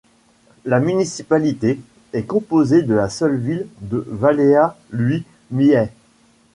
La municipalité est composée de la seule ville de Valea lui Mihai.